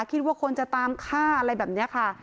คิดว่าคนจะตามฆ่าอะไรแบบนี้ค่ะ